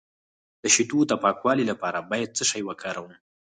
د شیدو د پاکوالي لپاره باید څه شی وکاروم؟